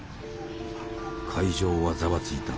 会場はざわついた。